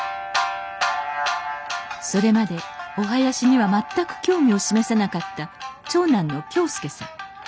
それまでお囃子には全く興味を示さなかった長男の恭将さん。